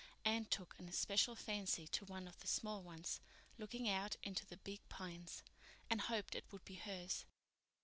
Anne took an especial fancy to one of the small ones, looking out into the big pines, and hoped it would be hers.